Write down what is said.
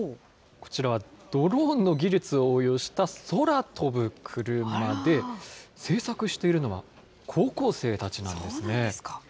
こちらはドローンの技術を応用した空飛ぶクルマで、製作しているのは高校生たちなんですね。